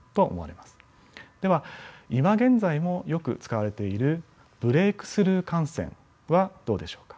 では今現在もよく使われているブレイクスルー感染はどうでしょうか。